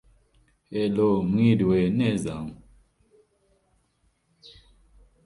Chi Psi's national headquarters, the Central Office, is in Nashville, Tennessee.